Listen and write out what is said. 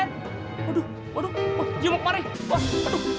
lu manja nyangsoran gua be ah